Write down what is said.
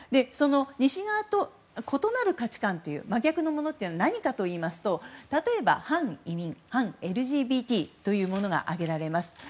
その西側と異なる価値観真逆なものが何かといいますと例えば、反移民、反ＬＧＢＴというものが挙げられます。